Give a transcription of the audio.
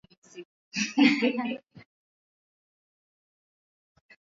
Sudan Kusini inashika nafasi ya mia moja ishirini na nane